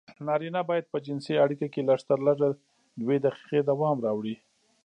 نارينه بايد په جنسي اړيکه کې لږترلږه دوې دقيقې دوام راوړي.